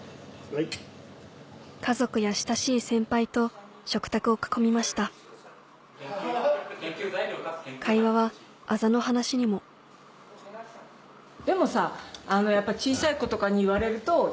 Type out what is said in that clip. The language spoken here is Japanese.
家族や親しい先輩と食卓を囲みました会話はあざの話にもでもさやっぱり。